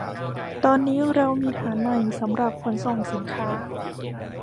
ตอนนี้เรามีฐานใหม่สำหรับขนส่งสินค้า